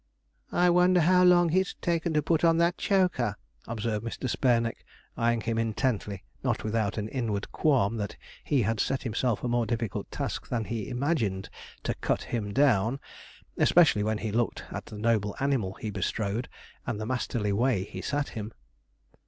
'I wonder how long he's taken to put on that choker,' observed Mr. Spareneck, eyeing him intently, not without an inward qualm that he had set himself a more difficult task than he imagined, to 'cut him down,' especially when he looked at the noble animal he bestrode, and the masterly way he sat him.